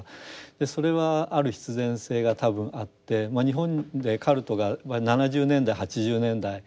それはある必然性が多分あって日本でカルトが７０年代８０年代盛んに布教を始めていく。